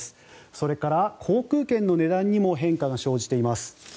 それから、航空券の値段にも変化が生じています。